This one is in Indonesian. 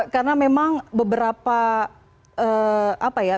karena memang beberapa apa ya